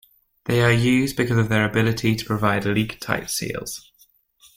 They are used because of their ability to provide leak-tight seals.